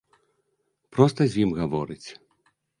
Проста з ім гаворыць.